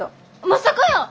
まさかやー！